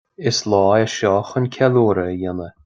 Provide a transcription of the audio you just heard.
Is lá é seo chun céiliúradh a dhéanamh